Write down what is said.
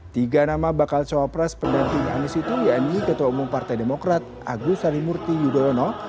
tiga nama bakal calon pres pendamping anies itu yaitu ketua umum partai demokrat agus salimurti yudolono